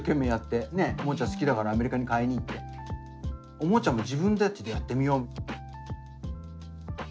おもちゃも自分でちょっとやってみよう。